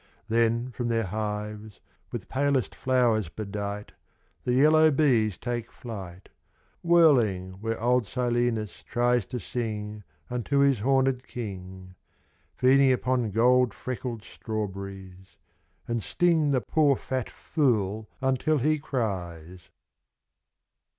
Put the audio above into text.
Then from their hives with palest flowers bedight The yellow bees take flight — Whirling where old Silenus tries to sing Unto his horned King — Feeding upon gold freckled strawberries — id sting the poor fat fool until he cries.